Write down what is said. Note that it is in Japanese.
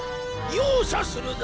「容赦するな！」